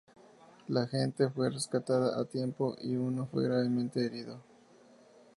La gente fue rescatada a tiempo y uno fue gravemente herido.